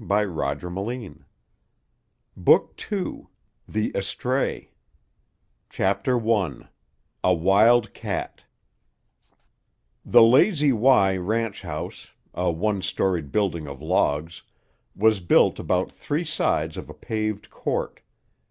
Book Two THE ESTRAY BOOK TWO: The Estray CHAPTER I A WILD CAT The Lazy Y ranch house, a one storied building of logs, was built about three sides of a paved court.